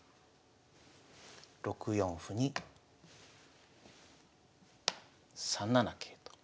６四歩に３七桂と。